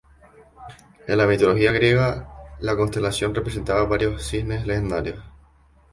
En la mitología griega, la constelación representaba varios cisnes legendarios.